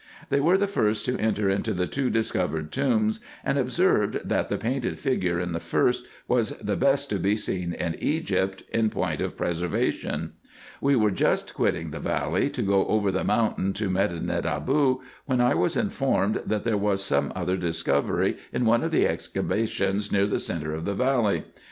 They were the first to enter into the two discovered tombs, and observed, that the painted figure in the first was the best to be seen in Egypt, in point IN EGYPT, NUBIA, &c 229 of preservation. We were just quitting the valley, to go over the mountain to Medinet Abou, when I was informed, that there was some other discovery in one of the excavations near the centre of the valley.